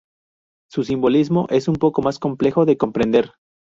Su simbolismo es un poco más complejo de comprender.